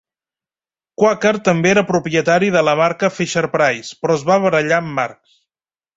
Quaker també era propietari de la marca Fisher-Price, però es va barallar amb Marx.